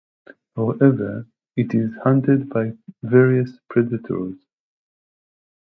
However, it is hunted by various predators.